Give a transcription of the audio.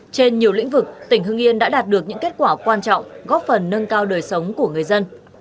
trên nhiều lĩnh vực tỉnh hưng yên đã đạt được những kết quả quan trọng góp phần nâng cao đời sống của người dân